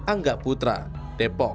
enggak putra depok